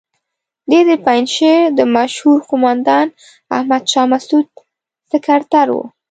دی د پنجشیر د مشهور قوماندان احمد شاه مسعود سکرتر وو.